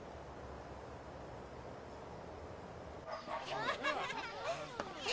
アハハハ。